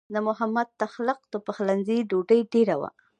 د محمد تغلق د پخلنځي ډوډۍ ډېره وه.